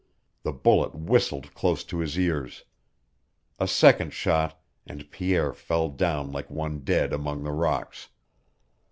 The bullet whistled close to his ears. A second shot, and Pierre fell down like one dead among the rocks.